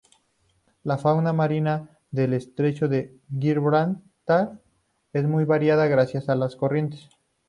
La fauna marina del estrecho de Gibraltar es muy variada gracias a las corrientes.